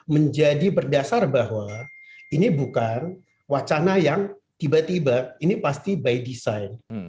menjadi berdasar bahwa ini bukan wacana yang tiba tiba ini pasti by design